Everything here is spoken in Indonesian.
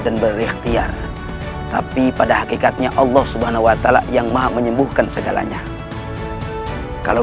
jangan mimpi kalian yang seharusnya tunduk padaku